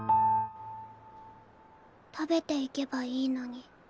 食べていけばいいのに。